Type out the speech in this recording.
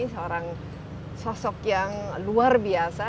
seorang sosok yang luar biasa